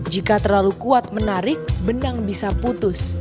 jika terlalu kuat menarik benang bisa putus